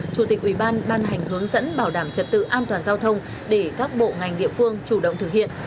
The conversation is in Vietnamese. chủ tịch ủy ban ban hành hướng dẫn bảo đảm trật tự an toàn giao thông để các bộ ngành địa phương chủ động thực hiện